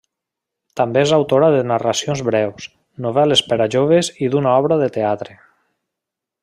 També és autora de narracions breus, novel·les per a joves i d'una obra de teatre.